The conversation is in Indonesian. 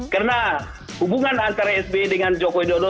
karena hubungan antara sby dengan jokowi dodo